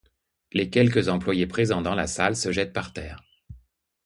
Les quelques employés présents dans la salle se jettent par terre.